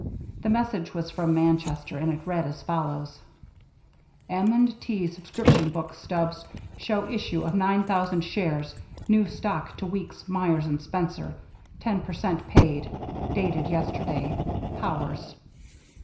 The message was from Manchester, and it read as follows: M. & T. subscription book stubs show issue of nine thousand shares new stock to Weeks, Myers, and Spencer, ten per cent paid, dated yesterday. POWERS.